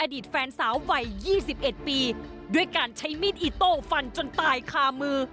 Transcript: อดีตแฟนสาววัย๒๑ปีด้วยการใช้มีดอิโต้ฟันจนตายคามือ